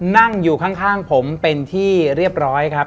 นั่งอยู่ข้างผมเป็นที่เรียบร้อยครับ